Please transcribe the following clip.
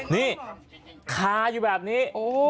นี่คาอยู่แบบนี้